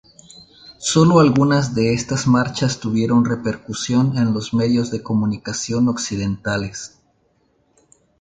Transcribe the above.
Solo algunas de estas marchas tuvieron repercusión en los medios de comunicación occidentales.